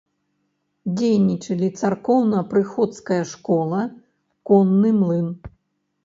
Дзейнічалі царкоўна-прыходская школа, конны млын.